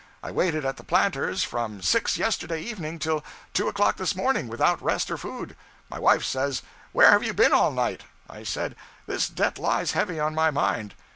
I waited at the Planter's from six yesterday evening till two o'clock this morning, without rest or food; my wife says, "Where have you been all night?" I said, "This debt lies heavy on my mind."